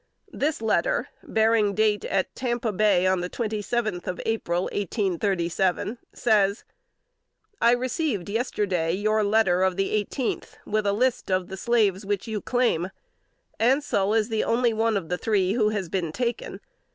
This letter, bearing date at Tampa Bay on the twenty seventh of April, 1837, says: "I received, yesterday, your letter of the eighteenth, with a list of the slaves which you claim. Ansel is the only one of the three who has been taken.